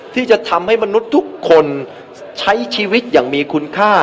ที่จะทำให้มนุษย์ทุกคนใช้ชีวิตอย่างมีคุณค่า